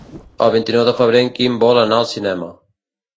El vint-i-nou de febrer en Quim vol anar al cinema.